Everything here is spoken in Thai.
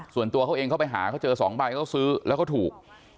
ส่วนตัวเขาเองเขาไปหาเขาเจอ๒ใบเขาซื้อแล้วเขาถูก